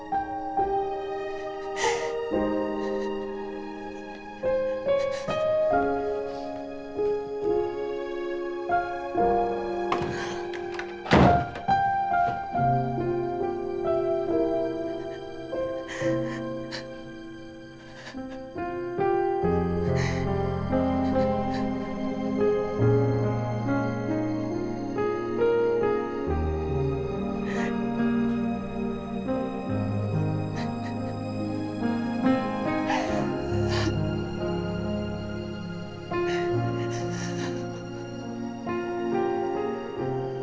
harusnya orang mak